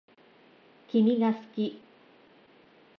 君が好き